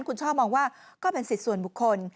คุณช่อมองว่าก็เป็นสิทธิ์ส่วนบุคคล